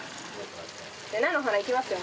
菜の花いきますよ。